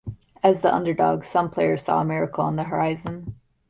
As the underdog, some players saw a miracle on the horizon.